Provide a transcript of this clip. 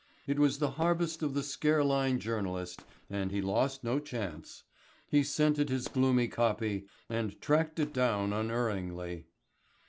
It was the harvest of the scare line journalist, and he lost no chance. He scented his gloomy copy and tracked it down unerringly.